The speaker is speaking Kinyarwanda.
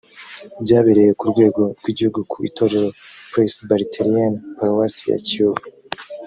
byabereye ku rwego rw igihugu ku itorero presbyterienne paruwasi ya kiyovu